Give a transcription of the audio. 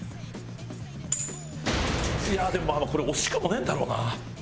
いやでもこれ惜しくもねえんだろうな。